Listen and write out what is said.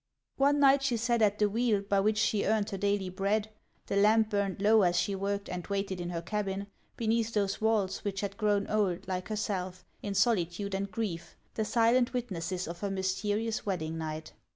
One night she sat at the wheel, by which she earned her daily bread ; the lamp burned low as she worked and waited in her cabin, beneath those walls which had grown old like herself, in solitude and grief, the silent witnesses of her mysterious wedding night.